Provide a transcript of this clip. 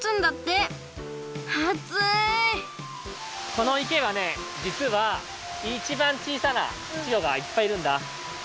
この池はねじつはいちばんちいさなちぎょがいっぱいいるんだ。